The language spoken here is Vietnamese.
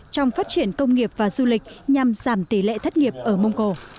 trong phát triển công nghiệp và du lịch nhằm giảm tỷ lệ thất nghiệp ở mông cổ